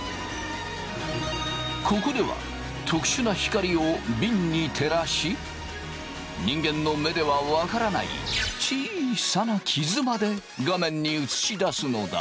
ここでは特殊な光をびんに照らし人間の目では分からないちいさなキズまで画面に映し出すのだ。